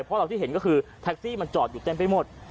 เพราะเราที่เห็นก็คือแท็กซี่มันจอดอยู่เต็มไปหมด